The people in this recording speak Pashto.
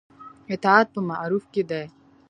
اطاعت په معروف کې دی